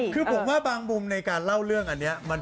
เป็นข่าวว่ามีใช่ไหม